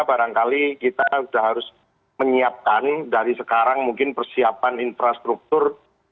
barangkali kita sudah harus menyiapkan dari sekarang mungkin persiapan infrastruktur